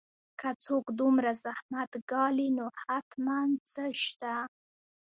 که څوک دومره زحمت ګالي نو حتماً څه شته